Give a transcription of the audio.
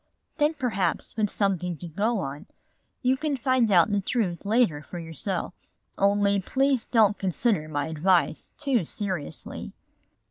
Then perhaps with something to go on, you can find out the truth later for yourself. Only please don't consider my advice too seriously."